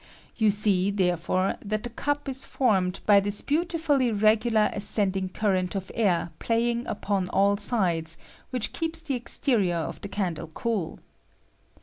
You see, therefore, that the cup is formed by this beau tifully regular ascending current of air playing upon all sides, which keeps the exterior of the I candle cool.